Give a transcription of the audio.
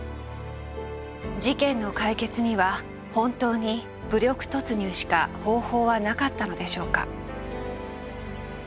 事件の解決には本当に武力突入しか方法はなかったのでしょうか？